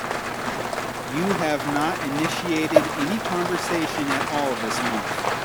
You have not initiated any conversation at all this month.